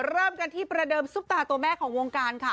เริ่มกันที่ประเดิมซุปตาตัวแม่ของวงการค่ะ